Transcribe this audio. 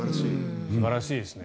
素晴らしいですね。